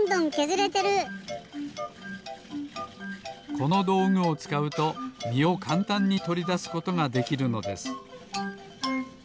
このどうぐをつかうとみをかんたんにとりだすことができるのです。